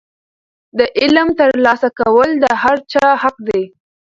د علم ترلاسه کول د هر چا حق دی.